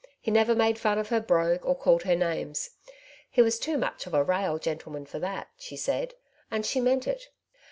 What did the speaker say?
He never made fun of her brogue, or called her names ;" he was too much of a rael gentleman for that,*' she said — and she meant it.